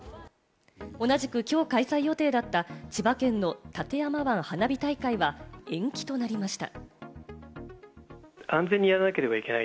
同じくきょう開催予定だった千葉県の館山湾花火大会は延期となりました。